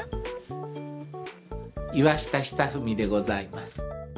岩下尚史でございます。